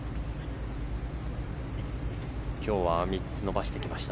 今日は３つ伸ばしてきました。